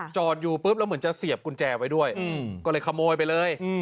จอดอยู่ปุ๊บแล้วเหมือนจะเสียบกุญแจไว้ด้วยก็เลยขโมยไปเลย